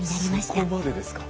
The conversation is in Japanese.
そこまでですか。